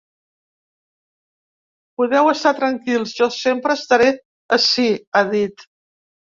Podeu estar tranquils, jo sempre estaré ací, ha dit.